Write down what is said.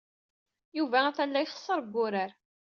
Yuba atan la ixeṣṣer deg wurar.